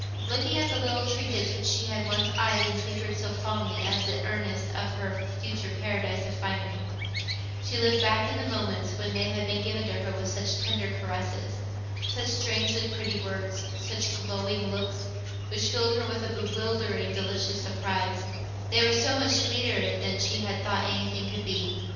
Looking at the little trinkets which she had once eyed and fingered so fondly as the earnest of her future paradise of finery, she lived back in the moments when they had been given to her with such tender caresses, such strangely pretty words, such glowing looks, which filled her with a bewildering delicious surprise—they were so much sweeter than she had thought anything could be.